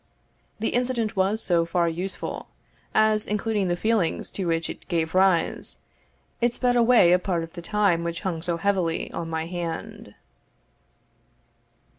The incident was so far useful, as, including the feelings to which it gave rise, it sped away a part of the time which hung so heavily on my hand.